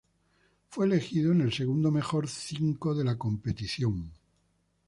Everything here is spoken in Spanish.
Fue elegido en el segundo mejor cinco de la competición.